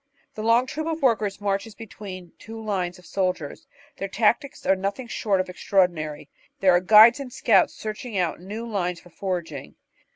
The long troop of workers marches between two lines of soldiers. Their tactics are nothing short of extraordinary: there are guides and scouts searching out new lines for foraging.